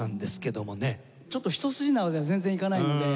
ちょっと一筋縄では全然いかないので。